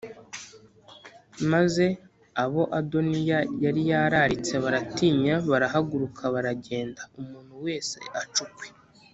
Maze abo Adoniya yari yararitse baratinya, barahaguruka baragenda umuntu wese aca ukwe.